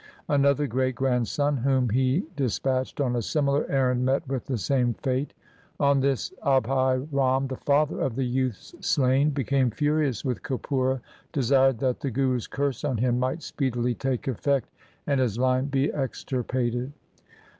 Another great grandson whom he dispatched on a similar errand met with the same fate. On this Abhai Ram, the father of the youths slain, became furious with Kapura, desired that the Guru's curse on him might speedily take effect, and his line be extirpated.